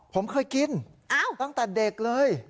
ผมเคยกินตั้งแต่เด็กเลย